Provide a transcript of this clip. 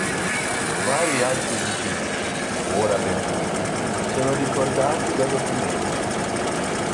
Vari altri dipinti, ora perduti, sono ricordati da documenti.